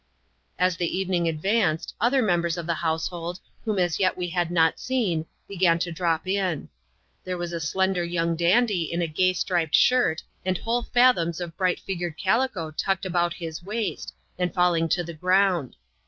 As the evening advanced, other members of the household, whom as yet we had not seen, began to drop in. There was a slender young dandy in a gay striped shirt, and whole fathoms of bright figured calico tucked about his waist, and falling to the ground.